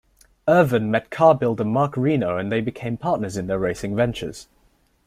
Irvan met car-builder Marc Reno and they became partners in their racing ventures.